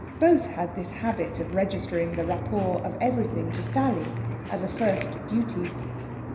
Both had this habit of registering the rapport of everything to Sally as a first duty.